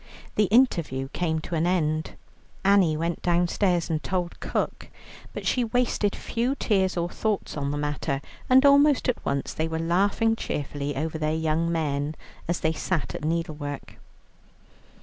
The interview came to an end. Annie went downstairs and told Cook, but she wasted few tears or thoughts on the matter, and almost at once they were laughing cheerfully over their young men, as they sat at needlework.